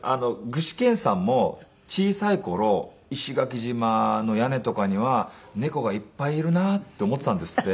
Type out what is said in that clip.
具志堅さんも小さい頃石垣島の屋根とかには猫がいっぱいいるなって思っていたんですって。